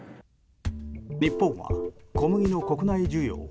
日本は小麦の国内需要